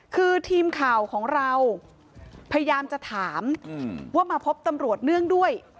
คือทีมข่าวของเราพยายามจะถามว่ามาพบตำรวจเนื่องด้วย